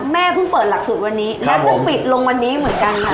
แม่เพิ่งเปิดหลักสูตรวันนี้แล้วจะปิดลงวันนี้เหมือนกันค่ะ